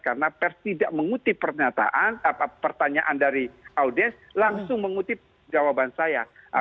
karena pers tidak mengutip pertanyaan dari audiens langsung mengutip jawaban saya